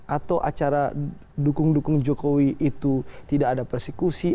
atau acara dukung dukung jokowi itu tidak ada persekusi